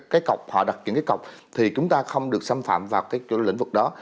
cái cọc họ đặt những cái cọc thì chúng ta không được xâm phạm vào cái lĩnh vực đó